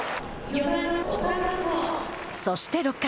そして６回。